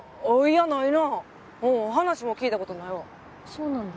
そうなんだ。